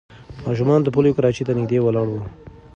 ماشومان د پولیو کراچۍ ته نږدې ولاړ وو.